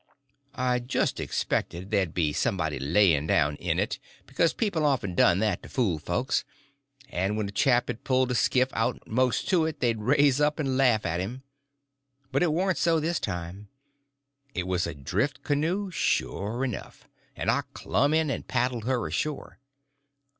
I just expected there'd be somebody laying down in it, because people often done that to fool folks, and when a chap had pulled a skiff out most to it they'd raise up and laugh at him. But it warn't so this time. It was a drift canoe sure enough, and I clumb in and paddled her ashore.